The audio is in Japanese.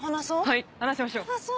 はい話しましょう。